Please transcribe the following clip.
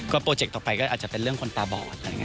ก็โปรเจ็คต่อไปก็อาจจะเป็นเรื่องคนตาบอด